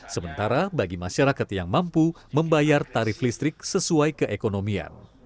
sementara bagi masyarakat yang mampu membayar tarif listrik sesuai keekonomian